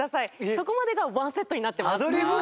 そこまでがワンセットになってます。